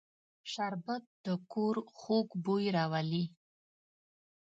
شربت د کور خوږ بوی راولي